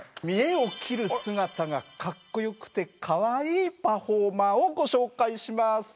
見得を切る姿がかっこよくてかわいいパフォーマーをご紹介します。